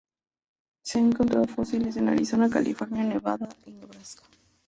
Se han encontrado fósiles en Arizona, California, Nevada y Nebraska.